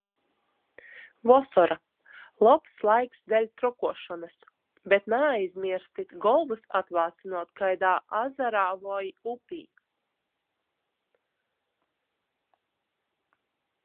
Vosora - lobs laiks deļ trokuošonys, bet naaizmierstit golvys atvāsynuot kaidā azarā voi upī...